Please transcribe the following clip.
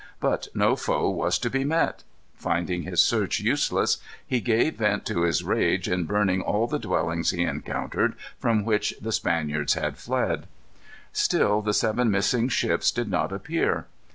But no foe was to be met. Finding his search useless, he gave vent to his rage in burning all the dwellings he encountered, from which the Spaniards had fled. Still the seven missing ships did not appear.